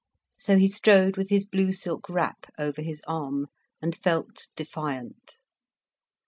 So he strode with his blue silk wrap over his arm and felt defiant.